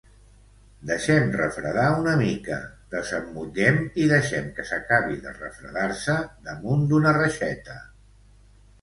Deixem refredar una mica, desemmotllem i deixem que s'acabi de refredar-se damunt d'una reixeta.